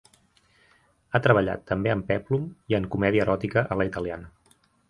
Ha treballat també en pèplum i en comèdia eròtica a la italiana.